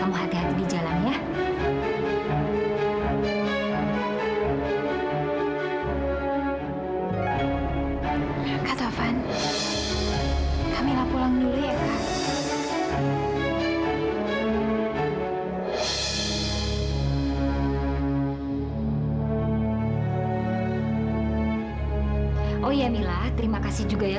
oh iya mila terima kasih juga ya